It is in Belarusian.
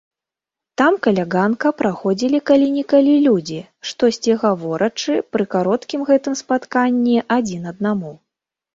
Там ля ганка праходзілі калі-нікалі людзі, штосьці гаворачы, пры кароткім гэтым спатканні, адзін аднаму.